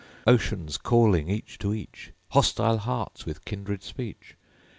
Oceans calling each to each; Hostile hearts, with kindred speech.